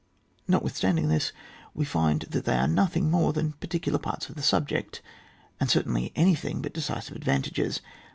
Notwithstanding this, we find that they are nothing more than particular parts of the subject, and cer tainly any^ng but decisive advantages.